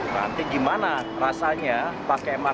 nanti gimana rasanya pakai masker